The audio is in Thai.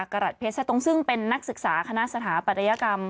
กระหลัดเพชรแทร่ตรงซึ่งเป็นนักศึกษาคณะสถาปัตยกรรม